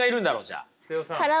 じゃあ。